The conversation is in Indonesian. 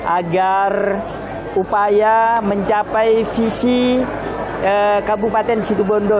agar upaya mencapai visi kabupaten situbondo